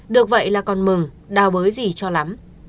được vậy là còn mừng đào bới gì cho lắm